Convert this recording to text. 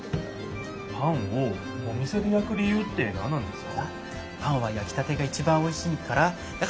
パンをお店でやく理ゆうってなんなんですか？